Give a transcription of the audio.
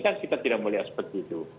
kan kita tidak melihat seperti itu